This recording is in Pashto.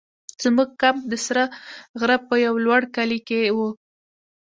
زموږ کمپ د سره غره په یو لوړ کلي کې وو.